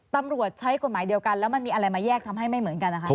ตำรวจใช้กฎหมายเดียวกันแล้วมันมีอะไรมาแยกทำให้ไม่เหมือนกันนะคะ